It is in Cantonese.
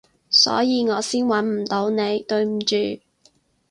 所以我先搵唔到你，對唔住